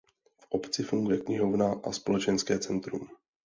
V obci funguje knihovna a společenské centrum.